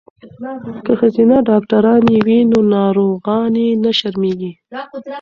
که ښځینه ډاکټرانې وي نو ناروغانې نه شرمیږي.